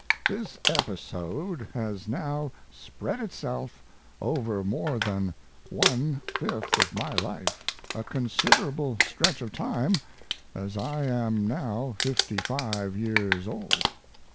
This episode has now spread itself over more than one fifth of my life, a considerable stretch of time, as I am now 55 years old.